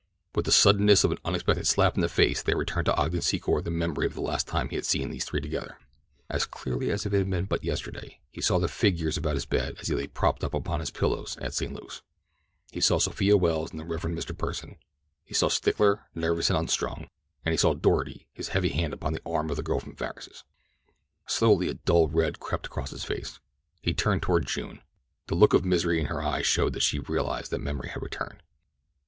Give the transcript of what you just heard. With the suddenness of an unexpected slap in the face there returned to Ogden Secor the memory of the last time he had seen these three together. As clearly as if it had been but yesterday he saw the figures about his bed as he lay propped up upon his pillows at St. Luke's. He saw Sophia Welles and the Rev. Mr. Pursen. He saw Stickler, nervous and unstrung, and he saw Doarty, his heavy hand upon the arm of the girl from Farris's. Slowly a dull red crept across his face. He turned toward June. The look of misery in her eyes showed that she realized that memory had returned.